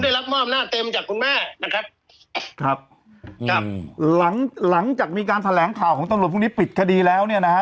ได้รับมอบอำนาจเต็มจากคุณแม่นะครับครับหลังหลังจากมีการแถลงข่าวของตำรวจพรุ่งนี้ปิดคดีแล้วเนี่ยนะฮะ